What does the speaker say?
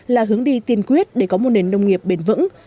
là hướng đi tiên quyết để có một nền nông nghiệp bền vững